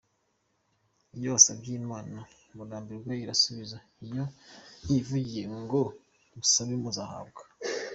iyo usabye Imana nturambirwe iragusubiza, niyo yivugiye ngo musabe muzahabwa.